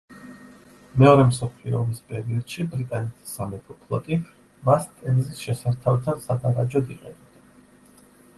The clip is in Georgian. მეორე მსოფლიო ომის პერიოდში ბრიტანეთის სამეფო ფლოტი მას ტემზის შესართავთან სადარაჯოდ იყენებდა.